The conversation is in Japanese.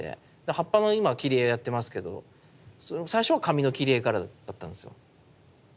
葉っぱの今切り絵やってますけど最初は紙の切り絵からだったんですよ。